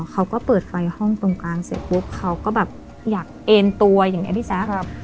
เขาก็เปิดไฟห้องตรงกลางเสร็จปุ๊บเขาก็แบบอยากเอ็นตัวอย่างนี้พี่แจ๊ค